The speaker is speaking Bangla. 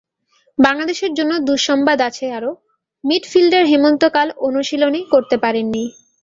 বাংলাদেশের জন্য দুঃসংবাদ আছে আরও, মিডফিল্ডার হেমন্ত কাল অনুশীলনই করতে পারেননি।